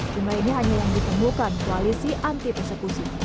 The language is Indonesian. jumlah ini hanya yang ditemukan koalisi anti persekusi